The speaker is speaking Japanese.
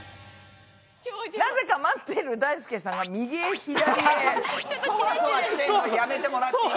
なぜか待ってるだいすけさんが右へ左へそわそわしてんのやめてもらっていい？